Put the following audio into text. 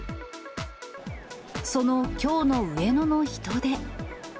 そのきょうの上野の人出。